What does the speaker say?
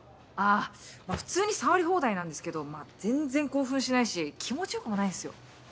あまあ普通に触り放題なんですけど全然興奮しないし気持ち良くもないんすよ。